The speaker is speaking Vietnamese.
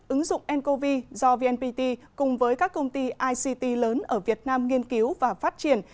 ứng dụng ncov do vnpt cùng với các công ty ict lớn ở việt nam nghiên cứu và phát triển